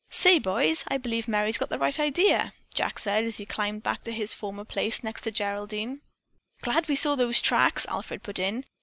"Say, boys, I believe Merry's got the right idea," Jack said as he climbed back to his former place next to Geraldine. "Glad we saw those tracks," Alfred put in.